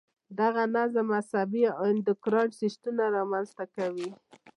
دغه نظم عصبي او انډوکراین سیستمونه را منځته کوي.